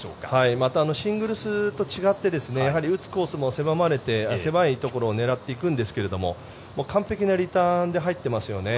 またシングルスと違って打つコースも狭いところを狙っていくんですが完璧なリターンで入っていますよね。